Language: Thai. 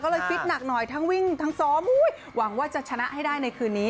ก็เลยฟิตหนักหน่อยทั้งวิ่งทั้งซ้อมหวังว่าจะชนะให้ได้ในคืนนี้